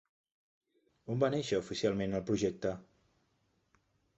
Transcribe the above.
On va néixer oficialment el projecte?